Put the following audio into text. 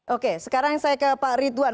oke sekarang saya ke pak ridwan